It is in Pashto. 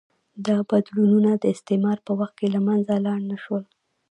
دا بدلونونه د استعمار په وخت کې له منځه لاړ نه شول.